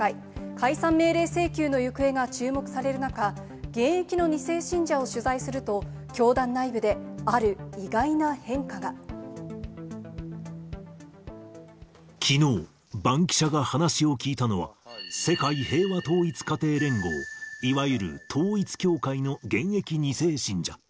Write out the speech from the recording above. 解散命令請求の行方が注目される中、現役の２世信者を取材すると、きのう、バンキシャが話を聞いたのは、世界平和統一家庭連合、いわゆる統一教会の現役２世信者。